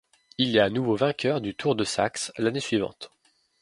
Il est à nouveau vainqueur du Tour de Saxe l'année suivante.